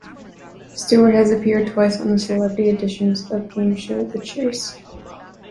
Stewart has appeared twice on the celebrity editions of game show "The Chase".